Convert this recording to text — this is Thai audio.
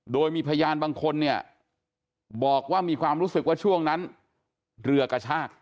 โดยมีพยานบางคนเนี่ยบอกว่ามีความรู้สึกว่าช่วงนั้นเรือกระชาก